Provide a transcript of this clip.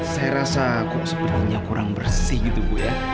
saya rasa kok sepertinya kurang bersih gitu bu ya